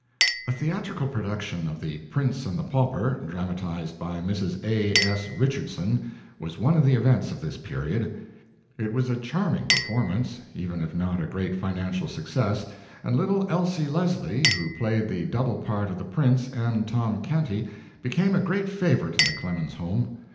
A theatrical production of "The Prince and the Pauper," dramatized by Mrs. A. S. Richardson, was one of the events of this period. It was a charming performance, even if not a great financial success, and little Elsie Leslie, who played the double part of the Prince and Tom Canty, became a great favorite in the Clemens home.